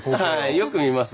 よく見ます？